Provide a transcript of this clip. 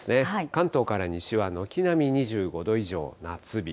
関東から西も軒並み２５度以上、夏日。